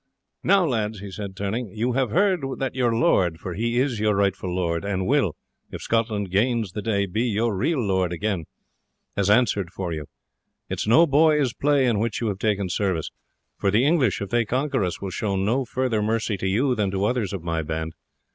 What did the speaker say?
Now, lads," he said turning, "you have heard that your lord, for he is your rightful lord, and will, if Scotland gains the day, be your real lord again, has answered for you. It is no boys' play in which you have taken service, for the English, if they conquer us, will show no further mercy to you than to others of my band.